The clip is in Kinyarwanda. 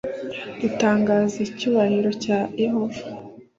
dutangaza icyubahiro cya yehova